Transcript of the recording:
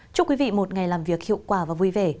chúc quý vị một ngày làm việc hiệu quả và vui vẻ